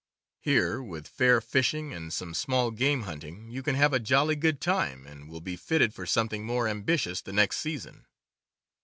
Here, with fair fishing and some small game hunting, you can have a jolly good time, and will be fitted for something more ambitious the next season.